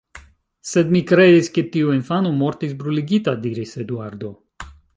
Sed mi kredis, ke tiu infano mortis bruligita, diris Eduardo.